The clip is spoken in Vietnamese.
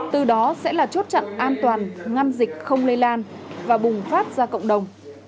từ đó sẽ là chốt chặn an toàn ngăn dịch không lây lan và bùng phát ra cộng đồng